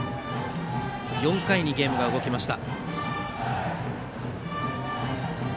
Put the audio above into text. ４回にゲームが動きました。